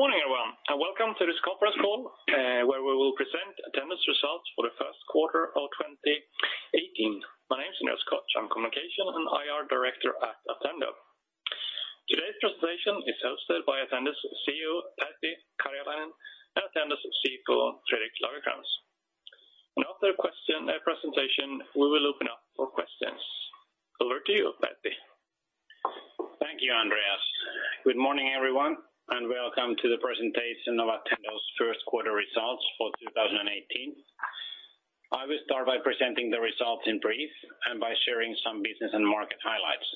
Good morning, everyone, and welcome to this conference call, where we will present Attendo's results for the first quarter of 2018. My name is Andreas Koch. I am Communication and IR Director at Attendo. Today's presentation is hosted by Attendo's CEO, Pertti Karjalainen, and Attendo's CFO, Fredrik Lagercrantz. After presentation, we will open up for questions. Over to you, Pertti. Thank you, Andreas. Good morning, everyone, and welcome to the presentation of Attendo's first quarter results for 2018. I will start by presenting the results in brief and by sharing some business and market highlights.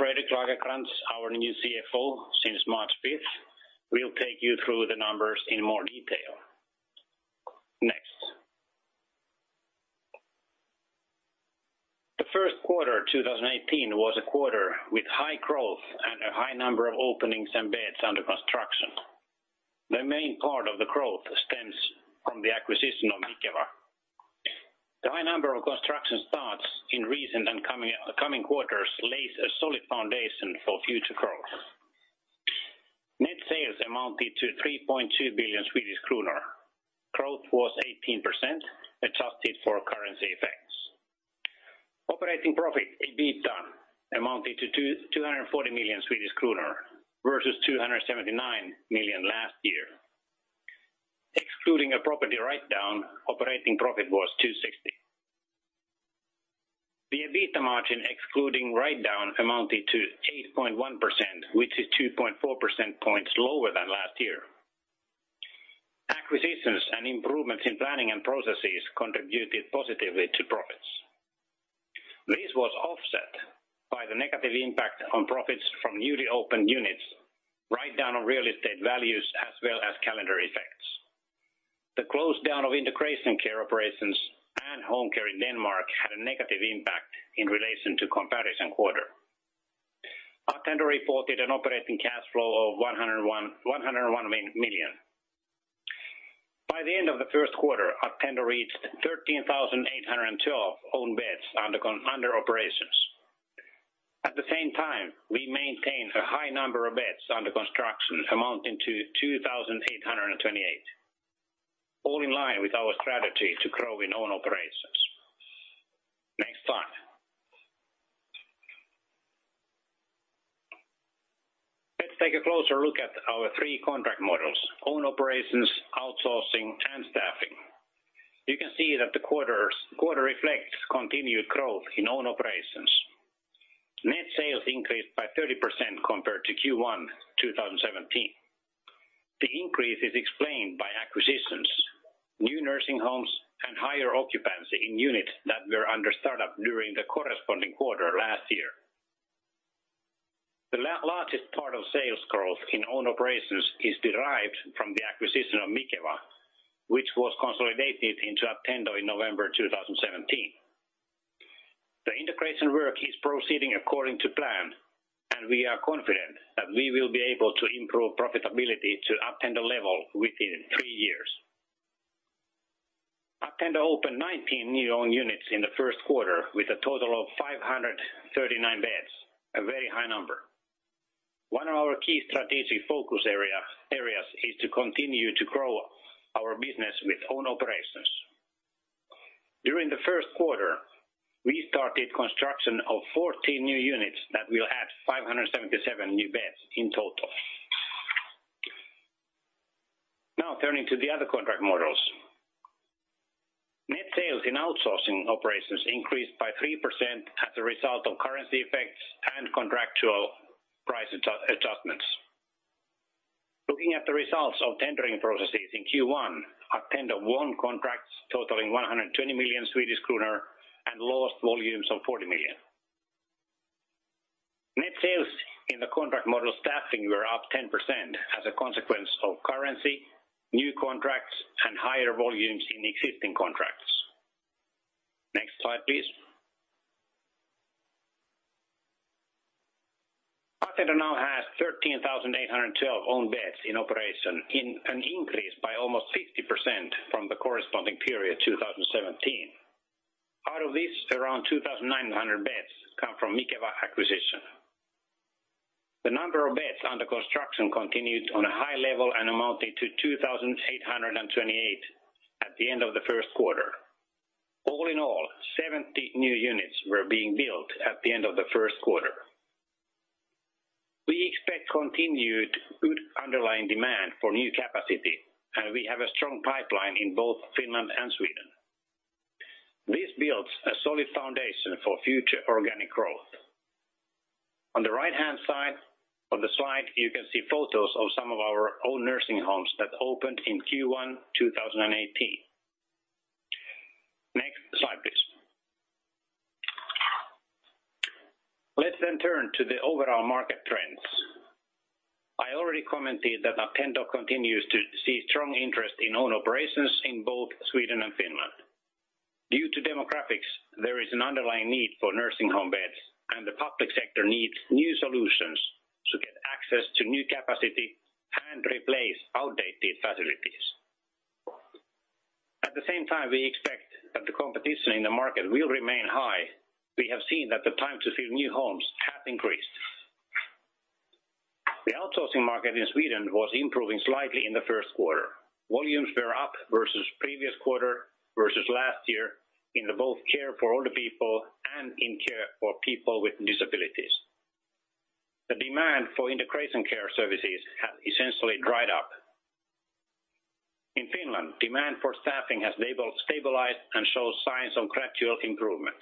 Fredrik Lagercrantz, our new CFO since March 5th, will take you through the numbers in more detail. Next. The first quarter 2018 was a quarter with high growth and a high number of openings and beds under construction. The main part of the growth stems from the acquisition of Mikeva. The high number of construction starts in recent and coming quarters lays a solid foundation for future growth. Net sales amounted to 3.2 billion Swedish kronor. Growth was 18%, adjusted for currency effects. Operating profit, EBITDA, amounted to 240 million Swedish kronor versus 279 million last year. Excluding a property write-down, operating profit was 260 million. The EBITDA margin, excluding write-down, amounted to 8.1%, which is 2.4% points lower than last year. Acquisitions and improvements in planning and processes contributed positively to profits. This was offset by the negative impact on profits from newly opened units, write-down on real estate values, as well as calendar effects. The close down of integration care operations and home care in Denmark had a negative impact in relation to comparison quarter. Attendo reported an operating cash flow of 101 million. By the end of the first quarter, Attendo reached 13,812 own beds under operations. At the same time, we maintain a high number of beds under construction amounting to 2,828. All in line with our strategy to grow in own operations. Next slide. Let's take a closer look at our three contract models: own operations, outsourcing, and staffing. You can see that the quarter reflects continued growth in own operations. Net sales increased by 30% compared to Q1 2017. The increase is explained by acquisitions, new nursing homes, and higher occupancy in units that were under startup during the corresponding quarter last year. The largest part of sales growth in own operations is derived from the acquisition of Mikeva, which was consolidated into Attendo in November 2017. The integration work is proceeding according to plan, and we are confident that we will be able to improve profitability to Attendo level within three years. Attendo opened 19 new own units in the first quarter with a total of 539 beds, a very high number. One of our key strategic focus areas is to continue to grow our business with own operations. During the first quarter, we started construction of 14 new units that will add 577 new beds in total. Now turning to the other contract models. Net sales in outsourcing operations increased by 3% as a result of currency effects and contractual price adjustments. Looking at the results of tendering processes in Q1, Attendo won contracts totaling 120 million Swedish kronor and lost volumes of 40 million. Net sales in the contract model staffing were up 10% as a consequence of currency, new contracts, and higher volumes in existing contracts. Next slide, please. Attendo now has 13,812 own beds in operation, an increase by almost 50% from the corresponding period 2017. Out of this, around 2,900 beds come from Mikeva acquisition. The number of beds under construction continued on a high level and amounted to 2,828 at the end of the first quarter. All in all, 70 new units were being built at the end of the first quarter. We expect continued good underlying demand for new capacity. We have a strong pipeline in both Finland and Sweden. This builds a solid foundation for future organic growth. On the right-hand side of the slide, you can see photos of some of our own nursing homes that opened in Q1 2018. Next slide, please. Let's turn to the overall market trends. I already commented that Attendo continues to see strong interest in own operations in both Sweden and Finland. Due to demographics, there is an underlying need for nursing home beds, and the public sector needs new solutions to get access to new capacity and replace outdated facilities. At the same time, we expect that the competition in the market will remain high. We have seen that the time to fill new homes has increased. The outsourcing market in Sweden was improving slightly in the first quarter. Volumes were up versus previous quarter, versus last year in both care for older people and in care for people with disabilities. The demand for integration care services has essentially dried up. In Finland, demand for staffing has stabilized and shows signs of gradual improvement.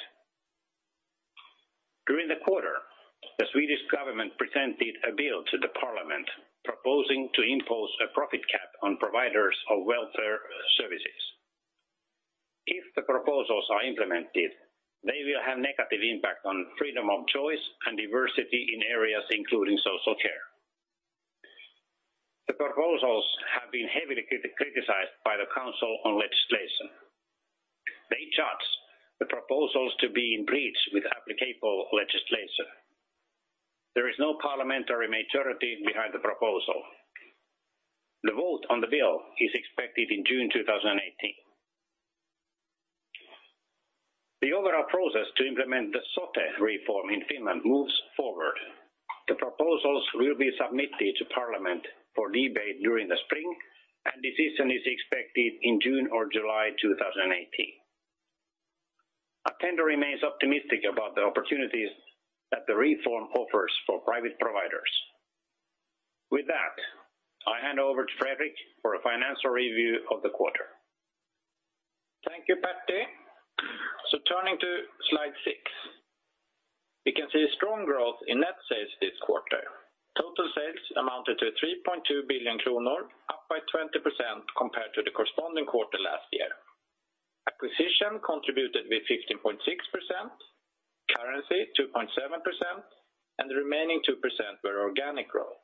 During the quarter, the Swedish government presented a bill to the parliament proposing to impose a profit cap on providers of welfare services. If the proposals are implemented, they will have negative impact on freedom of choice and diversity in areas including social care. The proposals have been heavily criticized by the Council on Legislation. They judge the proposals to be in breach with applicable legislation. There is no parliamentary majority behind the proposal. The vote on the bill is expected in June 2018. The overall process to implement the SOTE reform in Finland moves forward. The proposals will be submitted to parliament for debate during the spring. Decision is expected in June or July 2018. Attendo remains optimistic about the opportunities that the reform offers for private providers. With that, I hand over to Fredrik for a financial review of the quarter. Thank you, Pertti. Turning to slide six. We can see strong growth in net sales this quarter. Total sales amounted to 3.2 billion kronor, up by 20% compared to the corresponding quarter last year. Acquisition contributed with 15.6%, currency 2.7%, and the remaining 2% were organic growth.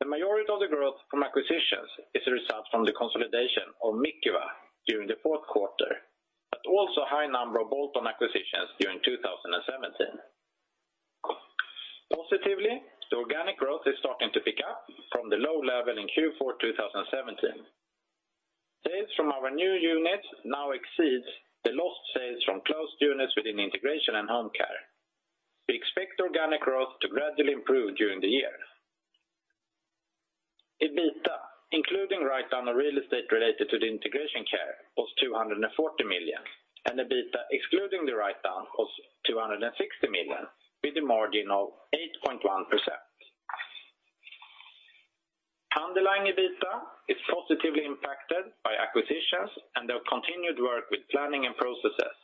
The majority of the growth from acquisitions is a result from the consolidation of Mikeva during the fourth quarter, but also a high number of bolt-on acquisitions during 2017. Positively, the organic growth is starting to pick up from the low level in Q4 2017. Sales from our new units now exceeds the lost sales from closed units within integration and home care. We expect organic growth to gradually improve during the year. EBITDA, including write-down of real estate related to the integration care, was 240 million, and EBITDA excluding the write-down was 260 million, with a margin of 8.1%. Underlying EBITDA is positively impacted by acquisitions and the continued work with planning and processes.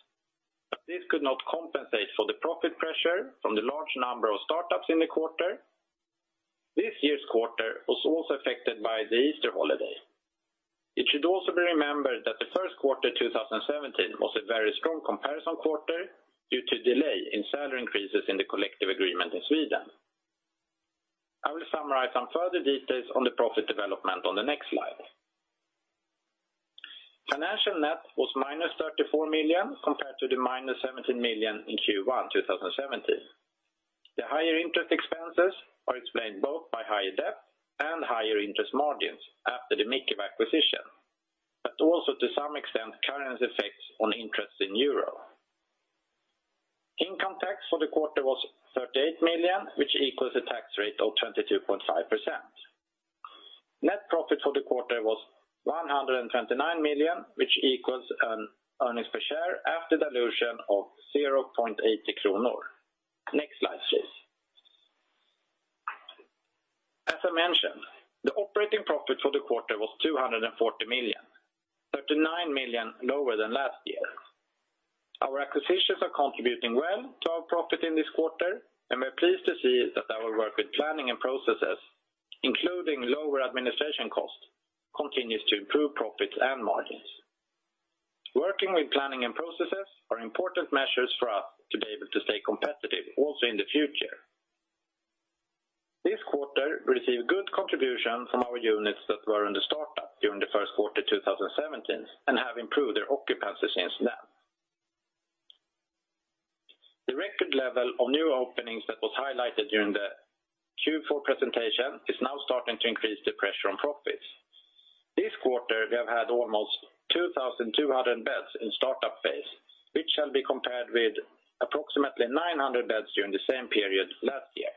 This could not compensate for the profit pressure from the large number of startups in the quarter. This year's quarter was also affected by the Easter holiday. It should also be remembered that the first quarter 2017 was a very strong comparison quarter due to delay in salary increases in the collective agreement in Sweden. I will summarize some further details on the profit development on the next slide. Financial net was minus 34 million, compared to the minus 17 million in Q1 2017. The higher interest expenses are explained both by higher debt and higher interest margins after the Mikeva acquisition, but also to some extent currency effects on interest in EUR. Income tax for the quarter was 38 million, which equals a tax rate of 22.5%. Net profit for the quarter was 129 million, which equals an earnings per share after dilution of 0.80 kronor. Next slide, please. As I mentioned, the operating profit for the quarter was 240 million, 39 million lower than last year. Our acquisitions are contributing well to our profit in this quarter, and we're pleased to see that our work with planning and processes, including lower administration costs, continues to improve profits and margins. Working with planning and processes are important measures for us to be able to stay competitive also in the future. This quarter received good contribution from our units that were under startup during the first quarter 2017 and have improved their occupancy since then. The record level of new openings that was highlighted during the Q4 presentation is now starting to increase the pressure on profits. This quarter, we have had almost 2,200 beds in startup phase, which shall be compared with approximately 900 beds during the same period last year.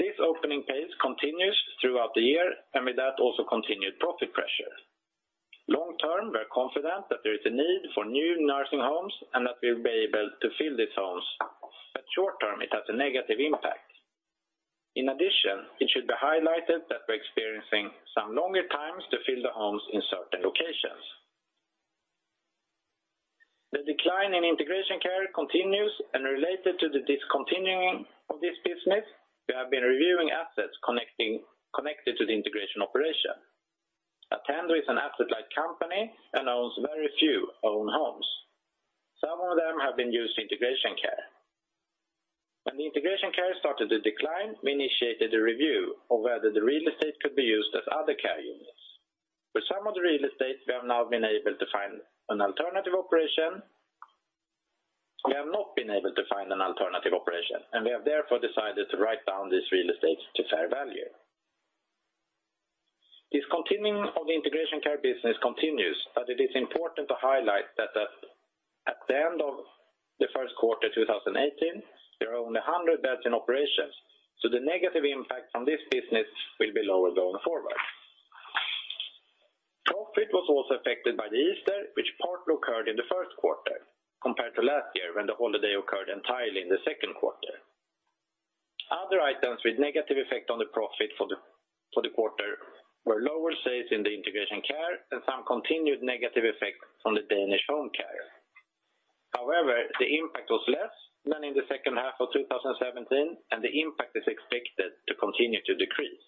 This opening pace continues throughout the year, and with that, also continued profit pressure. Long-term, we're confident that there is a need for new nursing homes and that we'll be able to fill these homes. Short-term, it has a negative impact. In addition, it should be highlighted that we're experiencing some longer times to fill the homes in certain locations. The decline in integration care continues, and related to the discontinuing of this business, we have been reviewing assets connected to the integration operation. Attendo is an asset-light company and owns very few own homes. Some of them have been used for integration care. When the integration care started to decline, we initiated a review of whether the real estate could be used as other care units. For some of the real estate, we have now been able to find an alternative operation, and we have therefore decided to write down this real estate to fair value. This continuing of the integration care business continues, but it is important to highlight that at the end of the first quarter 2018, there are only 100 beds in operations, so the negative impact from this business will be lower going forward. Profit was also affected by the Easter, which partly occurred in the first quarter compared to last year when the holiday occurred entirely in the second quarter. Other items with negative effect on the profit for the quarter were lower sales in the integration care and some continued negative effect from the Danish home care. However, the impact was less than in the second half of 2017, and the impact is expected to continue to decrease.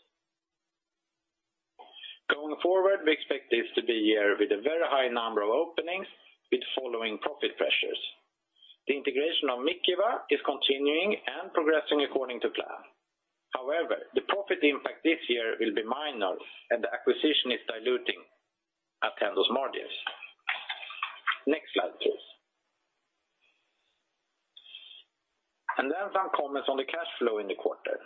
Going forward, we expect this to be a year with a very high number of openings with following profit pressures. The integration of Mikeva is continuing and progressing according to plan. However, the profit impact this year will be minor and the acquisition is diluting Attendo's margins. Next slide, please. Some comments on the cash flow in the quarter.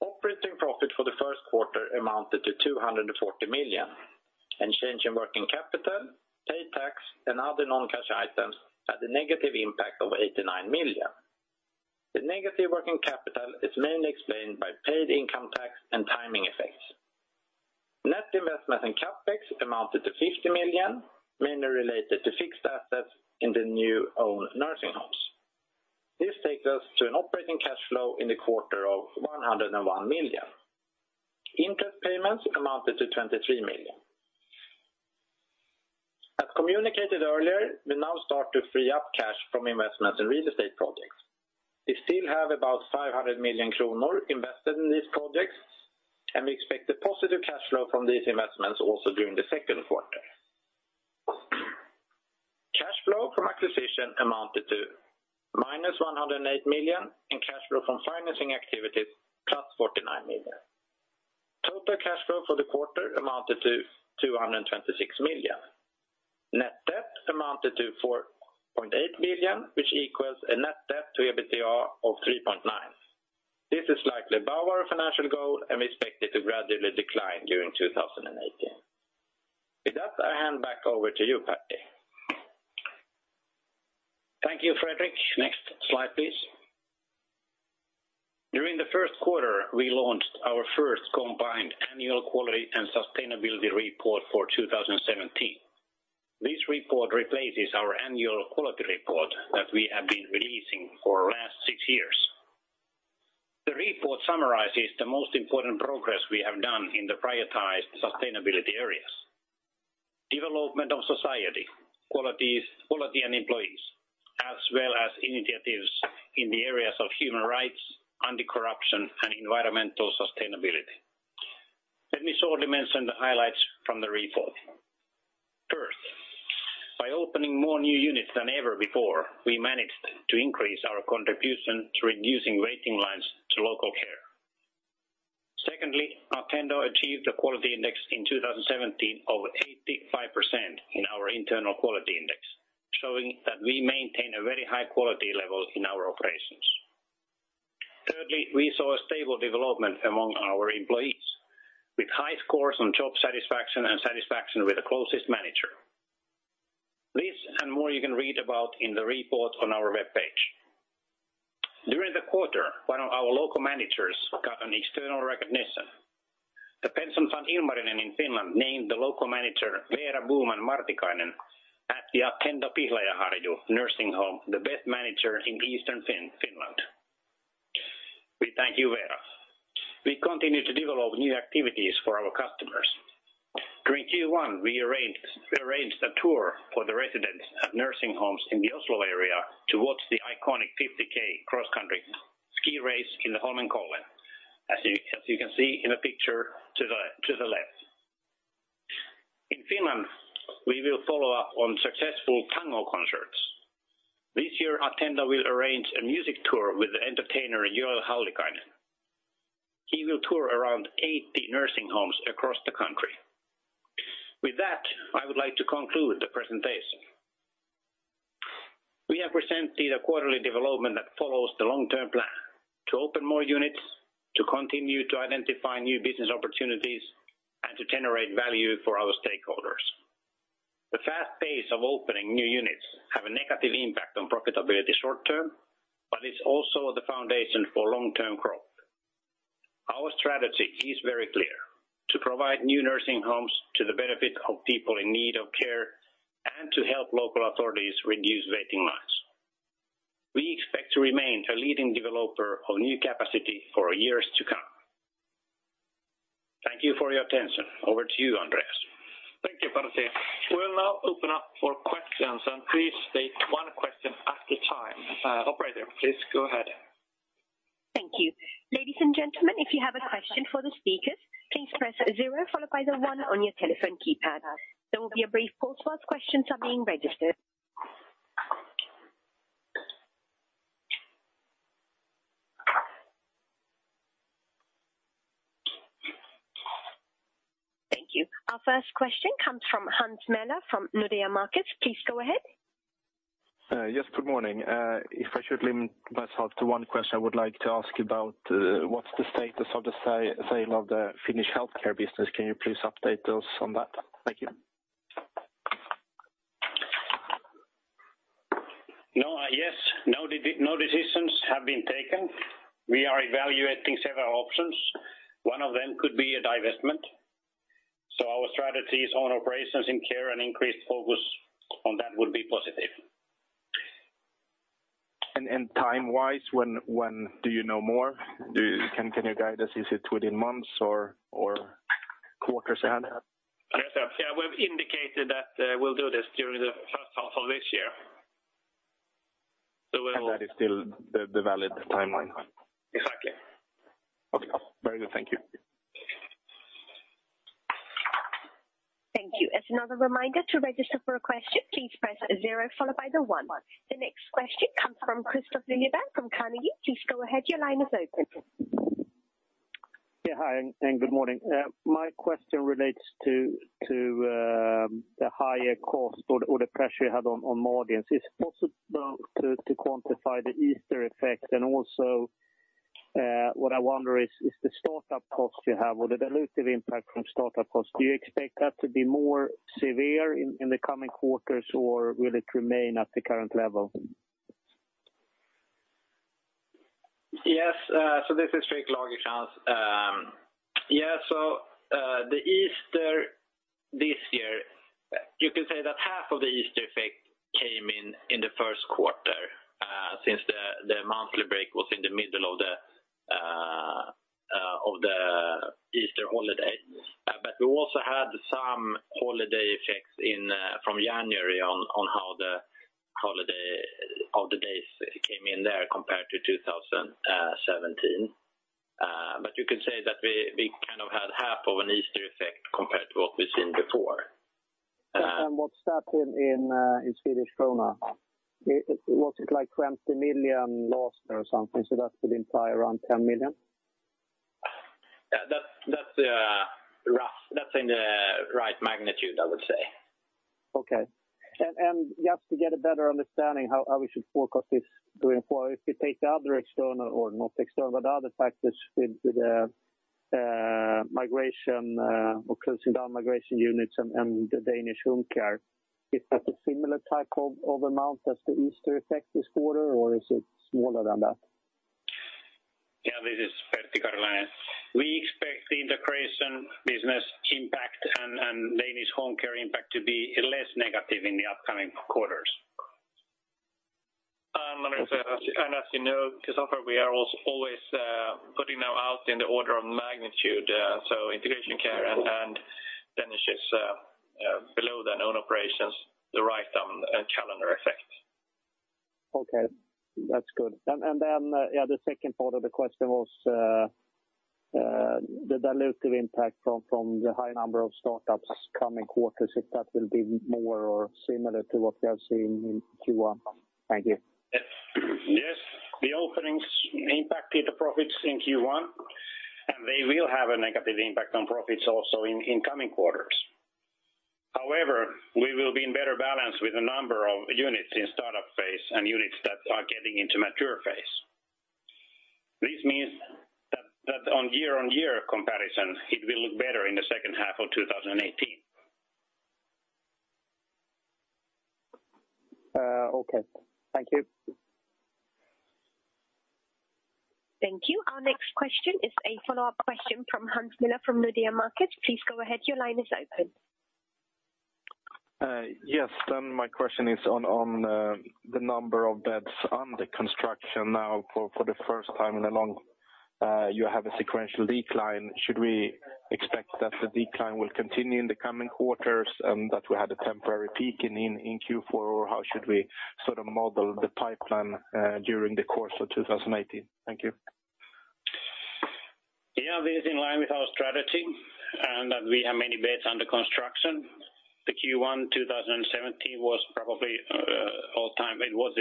Operating profit for the first quarter amounted to 240 million. Change in working capital, paid tax, and other non-cash items had a negative impact of 89 million. The negative working capital is mainly explained by paid income tax and timing effects. Net investment and CapEx amounted to 50 million, mainly related to fixed assets in the new own nursing homes. This takes us to an operating cash flow in the quarter of 101 million. Interest payments amounted to 23 million. As communicated earlier, we now start to free up cash from investments in real estate projects. We still have about 500 million kronor invested in these projects, and we expect a positive cash flow from these investments also during the second quarter. Cash flow from acquisition amounted to minus 108 million, and cash flow from financing activities plus 49 million. Total cash flow for the quarter amounted to 226 million. Net debt amounted to 4.8 billion, which equals a net debt to EBITDA of 3.9. This is slightly above our financial goal, we expect it to gradually decline during 2018. With that, I hand back over to you, Pertti. Thank you, Fredrik. Next slide, please. During the first quarter, we launched our first combined annual quality and sustainability report for 2017. This report replaces our annual quality report that we have been releasing for the last six years. The report summarizes the most important progress we have done in the prioritized sustainability areas. Development of society, quality and employees, as well as initiatives in the areas of human rights, anti-corruption, and environmental sustainability. Let me shortly mention the highlights from the report. First, by opening more new units than ever before, we managed to increase our contribution to reducing waiting lines to local care. Secondly, Attendo achieved a quality index in 2017 of 85% in our internal quality index, showing that we maintain a very high quality level in our operations. Thirdly, we saw a stable development among our employees with high scores on job satisfaction and satisfaction with the closest manager. This and more you can read about in the report on our webpage. During the quarter, one of our local managers got an external recognition. The pension fund Ilmarinen in Finland named the local manager Veera Boman-Martikainen at the Attendo Pihlajaharju Nursing Home, the best manager in Eastern Finland. We thank you, Veera. We continue to develop new activities for our customers. During Q1, we arranged a tour for the residents of nursing homes in the Oslo area to watch the iconic 50K cross-country ski race in the Holmenkollen, as you can see in the picture to the left. In Finland, we will follow up on successful tango concerts. This year, Attendo will arrange a music tour with entertainer Joel Hallikainen. He will tour around 80 nursing homes across the country. With that, I would like to conclude the presentation. We have presented a quarterly development that follows the long-term plan to open more units, to continue to identify new business opportunities, and to generate value for our stakeholders. The fast pace of opening new units have a negative impact on profitability short term, but it's also the foundation for long-term growth. Our strategy is very clear: to provide new nursing homes to the benefit of people in need of care and to help local authorities reduce waiting lines. We expect to remain the leading developer of new capacity for years to come. Thank you for your attention. Over to you, Andreas. Thank you, Pertti. We'll now open up for questions, and please state one question at a time. Operator, please go ahead. Thank you. Ladies and gentlemen, if you have a question for the speakers, please press zero followed by the one on your telephone keypad. There will be a brief pause whilst questions are being registered. Our first question comes from Hans Mähler, from Nordea Markets. Please go ahead. Yes, good morning. If I should limit myself to one question, I would like to ask about what's the status of the sale of the Finnish healthcare business. Can you please update us on that? Thank you. Yes. No decisions have been taken. We are evaluating several options. One of them could be a divestment. Our strategies on operations in care and increased focus on that would be positive. Time-wise, when do you know more? Can you guide us? Is it within months or quarters ahead? Yes. We've indicated that we'll do this during the first half of this year. That is still the valid timeline? Exactly. Okay. Very good. Thank you. Thank you. As another reminder, to register for a question, please press zero followed by the one. The next question comes from Kristofer Liljeberg from Carnegie. Please go ahead. Your line is open. Yeah. Hi, good morning. My question relates to the higher cost or the pressure you had on margins. Is it possible to quantify the Easter effect? Also, what I wonder is the startup cost you have or the dilutive impact from startup cost, do you expect that to be more severe in the coming quarters, or will it remain at the current level? Yes. This is Fredrik Lagercrantz. Yeah, the Easter this year, you could say that half of the Easter effect came in the first quarter, since the monthly break was in the middle of the Easter holiday. We also had some holiday effects from January on how the holiday of the days came in there compared to 2017. You could say that we kind of had half of an Easter effect compared to what we've seen before. What's that in Swedish krona? Was it like 20 million lost or something? That would imply around 10 million? That's in the right magnitude, I would say. Just to get a better understanding how we should forecast this going forward, if you take the other external or not external, the other factors with the migration or closing down migration units and the Danish home care, is that a similar type of amount as the Easter effect this quarter or is it smaller than that? This is Pertti Karjalainen. We expect the integration business impact and Danish home care impact to be less negative in the upcoming quarters. As you know, Kristofer, we are also always putting them out in the order of magnitude, so integration care and then it's just below the own operations, the right calendar effect. Okay. That's good. The second part of the question was the dilutive impact from the high number of startups coming quarters, if that will be more or similar to what we have seen in Q1. Thank you. Yes. The openings impacted the profits in Q1, and they will have a negative impact on profits also in coming quarters. However, we will be in better balance with the number of units in startup phase and units that are getting into mature phase. This means that on year-on-year comparison, it will look better in the second half of 2018. Okay. Thank you. Thank you. Our next question is a follow-up question from Hans Mähler from Nordea Markets. Please go ahead. Your line is open. Yes. My question is on the number of beds under construction now for the first time in a long, you have a sequential decline. Should we expect that the decline will continue in the coming quarters and that we had a temporary peak in Q4, or how should we model the pipeline during the course of 2018? Thank you. Yeah. This is in line with our strategy and that we have many beds under construction. The Q1 2017 was the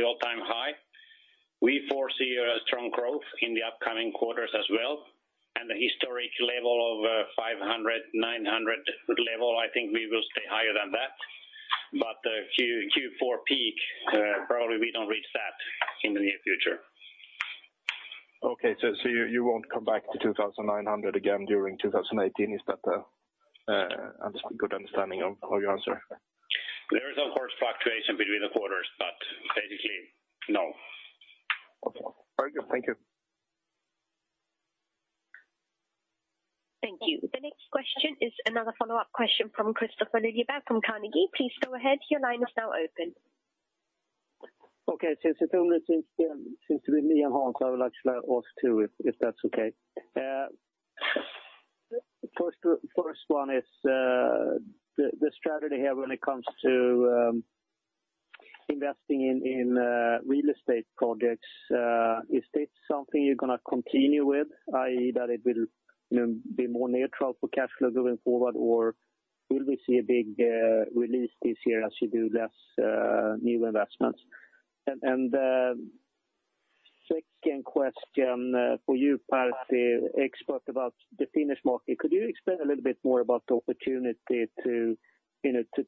all-time high. We foresee a strong growth in the upcoming quarters as well. The historic level of 2,900, I think we will stay higher than that. The Q4 peak, probably we don't reach that in the near future. Okay. You won't come back to 2,900 again during 2018. Is that a good understanding of your answer? There is, of course, fluctuation between the quarters, basically, no. Okay. Very good. Thank you. Thank you. The next question is another follow-up question from Kristofer Liljeberg from Carnegie. Please go ahead. Your line is now open. Okay. Since it only seems to be me and Hans, I will actually ask two if that's okay. First one is the strategy here when it comes to investing in real estate projects. Is this something you're going to continue with, i.e., that it will be more neutral for cash flow going forward? Or will we see a big release this year as you do less new investments? Second question for you, Pertti, expert about the Finnish market. Could you explain a little bit more about the opportunity to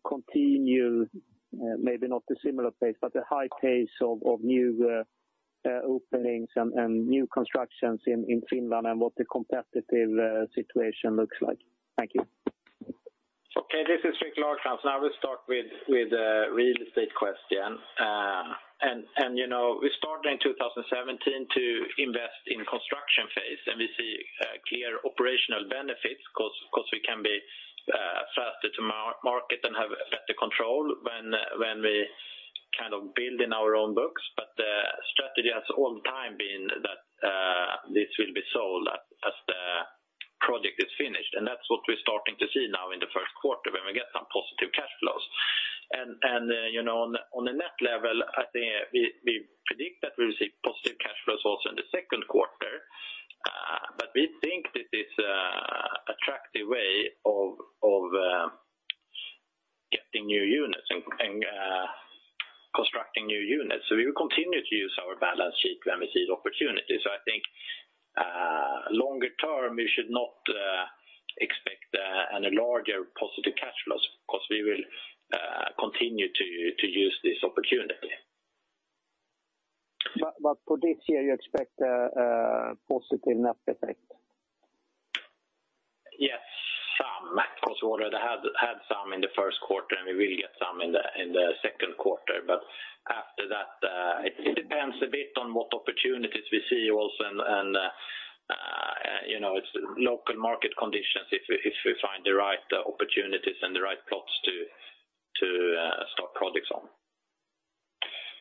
continue, maybe not the similar pace, but the high pace of new openings and new constructions in Finland and what the competitive situation looks like. Thank you. Okay. This is Rickard Nordquist. I will start with the real estate question. We started in 2017 to invest in construction phase, we see clear operational benefits because we can be faster to market and have better control when we build in our own books. The strategy has all the time been that this will be sold as the project is finished, that's what we're starting to see now in the first quarter when we get some positive cash flows. On the net level, I think we predict that we'll see positive cash flows also in the second quarter. We think this is attractive way of getting new units and constructing new units. We will continue to use our balance sheet when we see the opportunity. I think longer term, we should not expect any larger positive cash flows because we will continue to use this opportunity. For this year, you expect a positive net effect? Yes, some. Of course, we already had some in the first quarter, and we will get some in the second quarter. After that it depends a bit on what opportunities we see also and local market conditions if we find the right opportunities and the right plots to start projects on.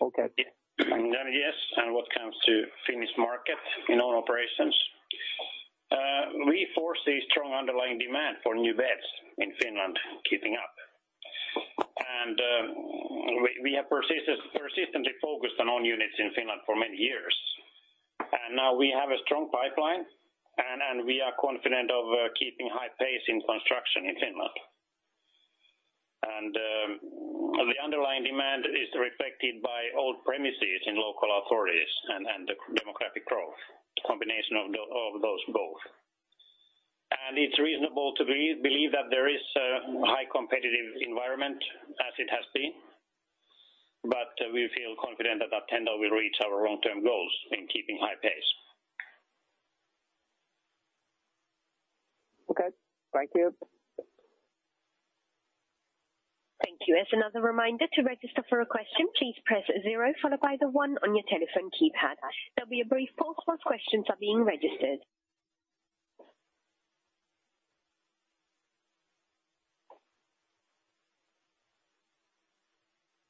Okay. Yes, what comes to Finnish market in our operations. We foresee strong underlying demand for new beds in Finland keeping up. We have persistently focused on own units in Finland for many years. Now we have a strong pipeline, and we are confident of keeping high pace in construction in Finland. The underlying demand is reflected by old premises in local authorities and the demographic growth, the combination of those both. We feel confident that Attendo will reach our long-term goals in keeping high pace. Okay. Thank you. Thank you. As another reminder, to register for a question, please press zero followed by the one on your telephone keypad. There'll be a brief pause while questions are being registered.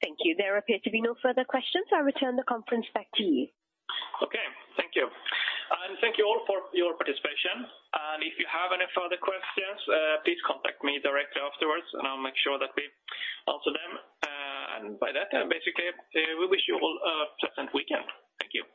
Thank you. There appear to be no further questions. I return the conference back to you. Okay. Thank you. Thank you all for your participation. If you have any further questions, please contact me directly afterwards, and I'll make sure that we answer them. By that, basically we wish you all a pleasant weekend. Thank you.